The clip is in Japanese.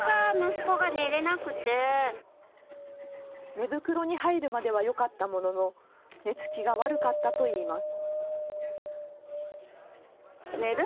寝袋に入るまではよかったものの寝つきが悪かったといいます。